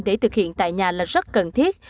để thực hiện tại nhà là rất cần thiết